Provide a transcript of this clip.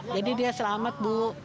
jadi dia selamat bu